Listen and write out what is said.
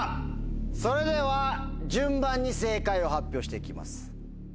それでは順番に正解を発表して行きます。